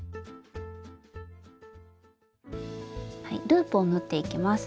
ループを縫っていきます。